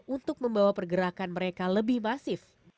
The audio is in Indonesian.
untuk membawa pergerakan mereka lebih masif